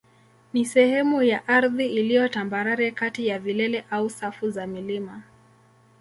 ni sehemu ya ardhi iliyo tambarare kati ya vilele au safu za milima.